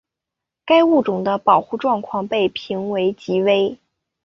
该物种的保护状况被评为极危。